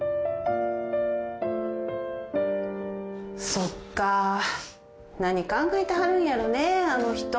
・そっか何考えてはるんやろうねあの人。